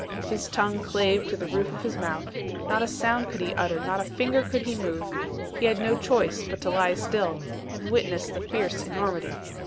His tongue clave to the roof of his mouth, not a sound could he utter, not a finger could he move; he had no choice but to lie still, and witness the fierce enormity.